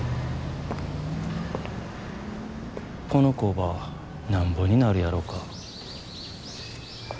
この工場なんぼになるやろか。